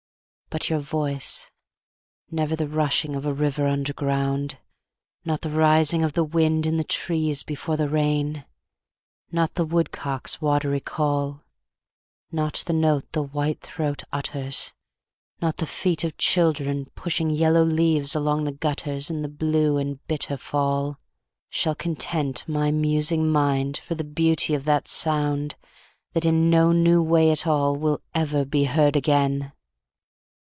But your voice, never the rushing Of a river underground, Not the rising of the wind In the trees before the rain, Not the woodcock's watery call, Not the note the white throat utters, Not the feet of children pushing Yellow leaves along the gutters In the blue and bitter fall, Shall content my musing mind For the beauty of that sound That in no new way at all Ever will be heard again.